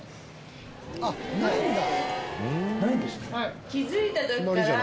あっないんだ。